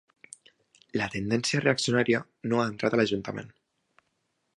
La tendència reaccionària no ha entrat a l'ajuntament.